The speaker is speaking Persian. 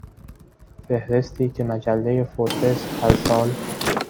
فهرستی که مجله فوربس هر سال